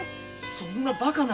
そんなバカな。